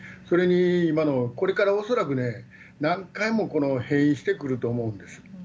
それに、これから恐らく何回も、この変異してくると思うんです。